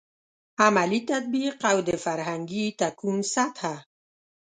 عملي تطبیق او د فرهنګي تکون سطحه.